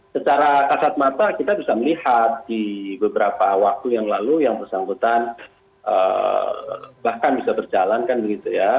secara kasat mata kita bisa melihat di beberapa waktu yang lalu yang persangkutan bahkan bisa berjalankan gitu ya